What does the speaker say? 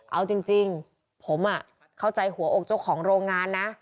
เอาจริงผมเข้าใจหัวอกเจ้าของโรงงานนะ